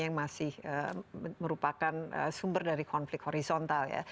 yang masih merupakan sumber dari konflik horizontal ya